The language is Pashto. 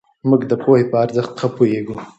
موږ د پوهې په ارزښت ښه پوهېږو.